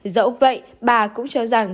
dẫu vậy bà cũng cho rằng